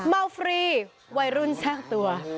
ฟรีวัยรุ่นแทรกตัว